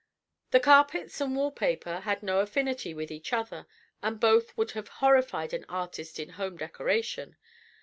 The carpets and wall paper had no affinity with each other, and both would have horrified an artist in home decoration.